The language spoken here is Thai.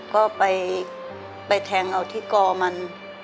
ก็ไปแทงเอาที่กอมัน